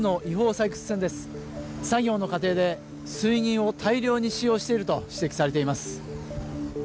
作業の過程で水銀を大量に使用していると指摘されています